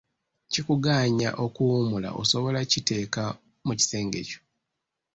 Kikuganya okuwummula osobola okukiteeka mu kisenge kyo.